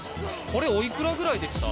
これ、おいくらぐらいですか？